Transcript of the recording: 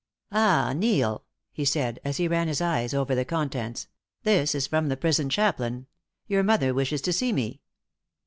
"Ah, Neil," he said, as he ran his eyes over the contents, "this is from the prison chaplain. Your mother wishes to see me."